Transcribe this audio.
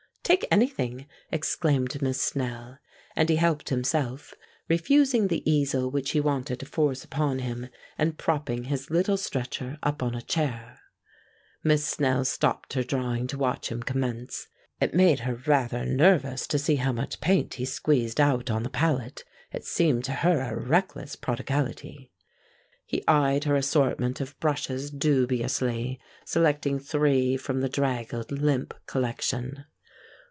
"Take anything," exclaimed Miss Snell; and he helped himself, refusing the easel which she wanted to force upon him, and propping his little stretcher up on a chair. Miss Snell stopped her drawing to watch him commence. It made her rather nervous to see how much paint he squeezed out on the palette; it seemed to her a reckless prodigality. He eyed her assortment of brushes dubiously, selecting three from the draggled limp collection.